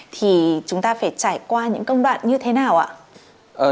thì chúng ta phải trải qua những công đoạn như thế nào ạ